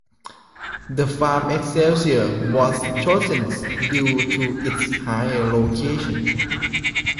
The farm Excelsior was chosen due to its higher location.